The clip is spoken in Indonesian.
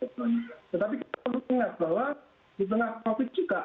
tetapi kita perlu ingat bahwa di tengah covid juga